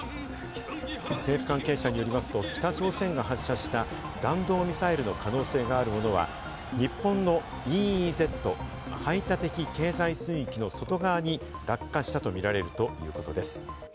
政府関係者によりますと北朝鮮が発射した弾道ミサイルの可能性があるものは日本のＥＥＺ＝排他的経済水域の外側に落下したとみられるということです。